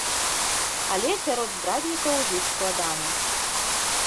Але сярод здраднікаў жыць складана.